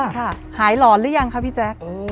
ค่ะหายหลอนหรือยังคะพี่แจ๊ค